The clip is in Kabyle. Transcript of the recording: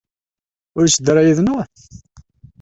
Ur yetteddu ara yid-neɣ?